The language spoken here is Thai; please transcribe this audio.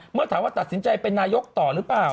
เมื่อถามว่าตัดสินใจเป็นนายกต่อหรือเปล่า